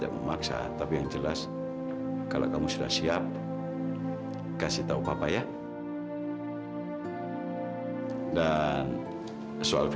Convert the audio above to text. kalau wismus sama mita